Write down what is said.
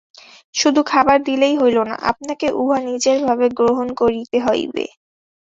শুধু খাবার দিলেই হইল না, আপনাকে উহা নিজের ভাবে গ্রহণ করিতে হইবে।